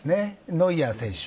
ノイアー選手。